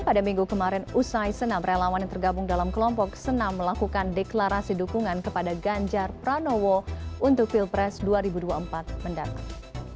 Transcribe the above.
pada minggu kemarin usai senam relawan yang tergabung dalam kelompok senam melakukan deklarasi dukungan kepada ganjar pranowo untuk pilpres dua ribu dua puluh empat mendatang